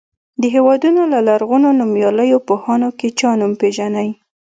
د هېواد له لرغونو نومیالیو پوهانو کې چا نوم پیژنئ.